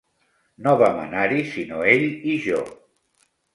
No vam anar-hi sinó ell i jo.